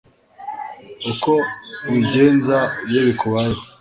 uko ubigenza iyo bikubayeho